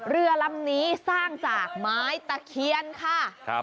เรือลำนี้สร้างจากไม้ตะเคียนค่ะ